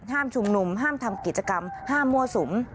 ชุมนุมห้ามทำกิจกรรมห้ามมั่วสุม